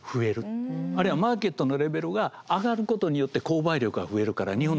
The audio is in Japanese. あるいはマーケットのレベルが上がることによって購買力が増えるから日本の製品が売れる。